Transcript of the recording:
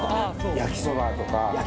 焼きそばとか。